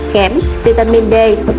kẻm vitamin d